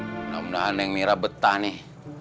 mudah mudahan yang nira betah nih